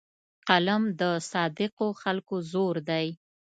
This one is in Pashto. قلم د صادقو خلکو زور دی